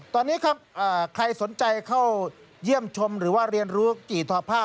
ตอนนี้ครับใครสนใจเข้าเยี่ยมชมหรือว่าเรียนรู้กี่ทอผ้า